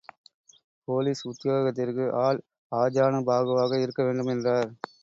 Police உத்தியோகத்திற்கு ஆள் ஆஜானுபாகுவாக இருக்கவேண்டும் என்றார்.